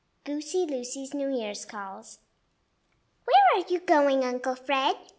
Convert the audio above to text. GOOSEY LUCY'S NEW YEAR'S CALLS. "WHERE are you going, Uncle Fred?"